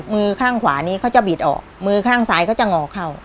มือข้างขวานี้เขาจะบิดออกมือข้างซ้ายเขาจะงอเข้า